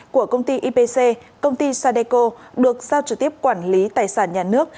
của công ty ipc công ty sadeco được giao trực tiếp quản lý tài sản nhà nước